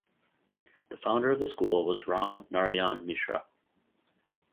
The founder of the school was Ram Narayan Mishra.